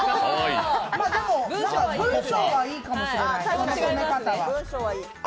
文章はいいかもしれない。